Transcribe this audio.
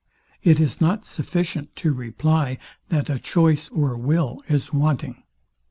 It is not sufficient to reply, that a choice or will is wanting.